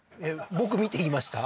僕見て言いました？